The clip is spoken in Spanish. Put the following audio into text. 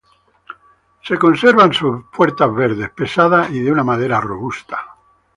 Sus puertas verdes se conservan, pesadas y de una madera robusta.